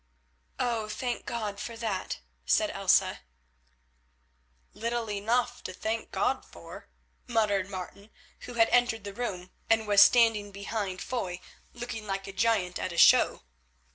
"Oh! thank God for that," said Elsa. "Little enough to thank God for," muttered Martin, who had entered the room and was standing behind Foy looking like a giant at a show.